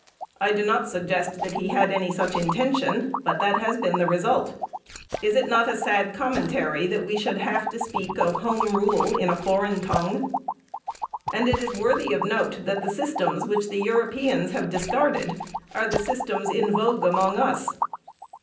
I do not suggest that he had any such intention, but that has been the result. Is it not a sad commentary that we should have to speak of Home Rule in a foreign tongue? And it is worthy of note that the systems which the Europeans have discarded are the systems in vogue among us.